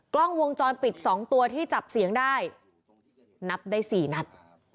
กล้องวงจรปิด๒ตัวที่จับเสียงได้นับได้๔นัด